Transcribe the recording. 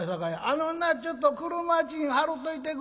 「あのなちょっと俥賃払うといてくれ」。